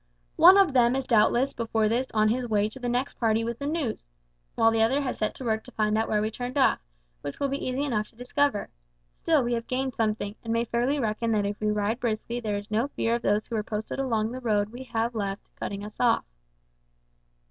One of them is doubtless before this on his way to the next party with the news, while the other has set to work to find out where we turned off, which will be easy enough to discover. Still, we have gained something, and may fairly reckon that if we ride briskly there is no fear of those who were posted along the road we have left cutting us off."